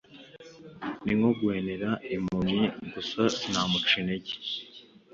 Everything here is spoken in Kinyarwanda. ni nko guhenera impumyi gusa sinamuca intege